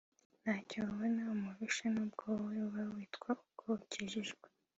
ntacyo abona umurusha nubwo wowe uba witwa ko ukijijwe